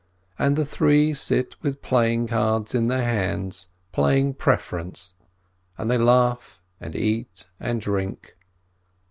And the three sit with playing cards in their hands, playing Preference, and they laugh and eat and drink.